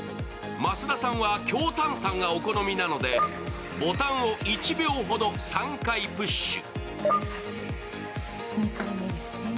増田さんは強炭酸がお好みなのでボタンを１秒ほど３回プッシュ。